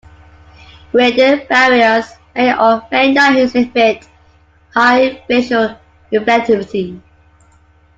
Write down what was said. Radiant barriers may or may not exhibit high visual reflectivity.